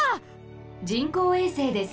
人工衛星です。